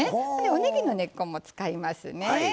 おねぎの根っこも使いますね。